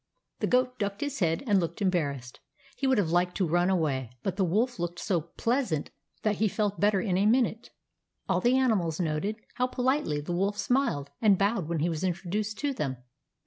The Goat ducked his head, and looked embarrassed. He would have liked to run away ; but the Wolf looked so pleasant that he felt better in a minute. All the animals noted how politely the Wolf smiled and bowed when he was introduced to them.